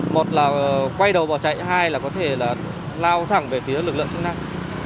một là quay đầu bỏ chạy hai là có thể là lao thẳng về phía lực lượng chức năng